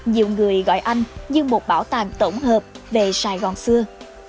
nhiều người gọi anh như một bảo tàng tổng hợp về sài gòn xưa